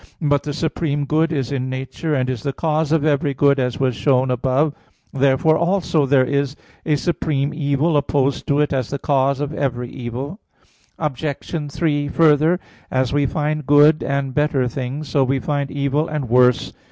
But the supreme good is in nature, and is the cause of every good, as was shown above (Q. 2, A. 3; Q. 6, AA. 2, 4). Therefore, also, there is a supreme evil opposed to it as the cause of every evil. Obj. 3: Further, as we find good and better things, so we find evil and worse.